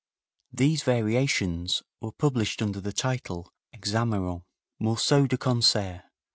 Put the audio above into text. These variations were published under the title: "Hexameron: Morceau de Concert.